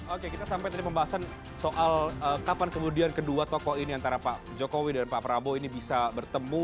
oke kita sampai tadi pembahasan soal kapan kemudian kedua tokoh ini antara pak jokowi dan pak prabowo ini bisa bertemu